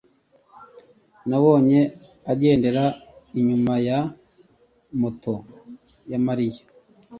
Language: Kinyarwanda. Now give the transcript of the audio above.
Nabonye agendera inyuma ya moto ya Mariya.